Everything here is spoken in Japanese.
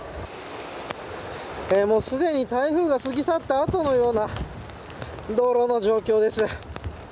もうすでに台風が過ぎ去った後のような道路の状況です。